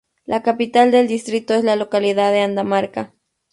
La capital del distrito es la localidad de Andamarca.